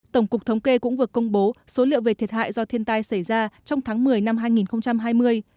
tổng cục thống kê cũng vừa công bố số liệu về thiệt hại do thiên tai xảy ra trong tháng một mươi năm hai nghìn hai mươi